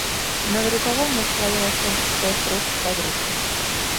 Надрукаваў на свае асабістыя сродкі падручнікі.